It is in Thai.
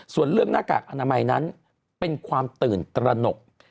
ส่วนเรื่องหน้ากากอนามัยนั้นเป็นความตื่นตระหนก